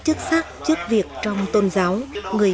cho họ hiểu biết nhân thức đúng sai